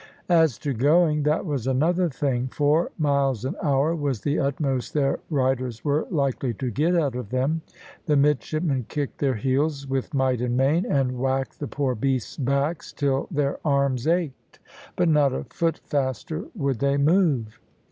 As to going, that was another thing four miles an hour was the utmost their riders were likely to get out of them. The midshipmen kicked their heels with might and main, and whacked the poor beasts' backs till their arms ached, but not a foot faster would they move.